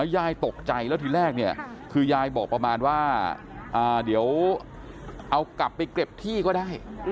ยายตกใจแล้วทีแรกเนี่ยคือยายบอกประมาณว่าเดี๋ยวเอากลับไปเก็บที่ก็ได้